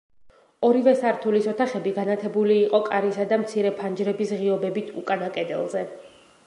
ორივე სართულის ოთახები განათებული იყო კარისა და მცირე ფანჯრების ღიობებით უკანა კედელზე.